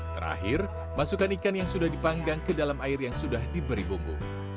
terakhir masukkan ikan yang sudah dipanggang ke dalam air yang sudah diberi bumbu